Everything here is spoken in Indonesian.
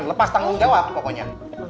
lepas tanggung jawab pokoknya